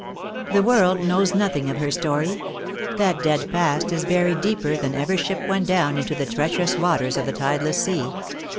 The world knows nothing of her story. That dead past is buried deeper than ever ship went down into the treacherous waters of the tideless sea.